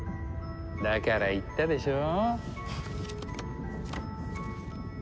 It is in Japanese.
だから言ったでしょ。